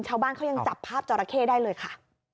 ชาวบ้านเขายังจับภาพจอราเข้ได้เลยค่ะ